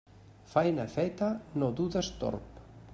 Faena feta no du destorb.